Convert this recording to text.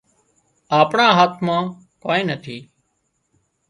آپڻا هاٿ مان ڪانئين نٿي